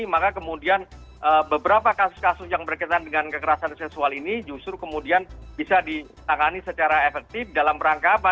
maka kemudian beberapa kasus kasus yang berkaitan dengan kekerasan seksual ini justru kemudian bisa ditangani secara efektif dalam rangka apa